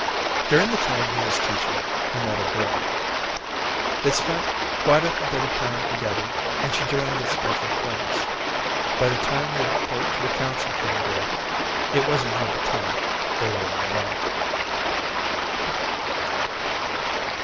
During the time he was teaching, he met a girl. They spent quite a bit of time together, and she joined the special class. By the time the report to the council came due, it wasn't hard to tell they were in love.